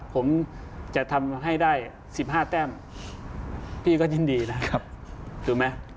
ผมจะทำให้ได้๑๕แต้มพี่ก็ยินดีนะครับถูกไหม